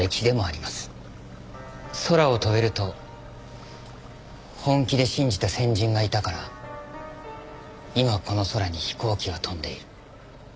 空を飛べると本気で信じた先人がいたから今この空に飛行機が飛んでいる。